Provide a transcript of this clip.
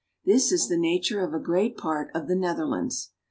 This is the nature of a great part of the Netherlands.